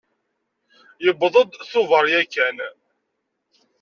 Yewweḍ-d Tubeṛ yakan.